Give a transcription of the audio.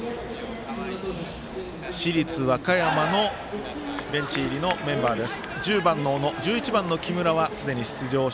市立和歌山のベンチ入りのメンバーです。